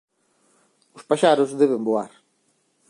Os paxaros deben voar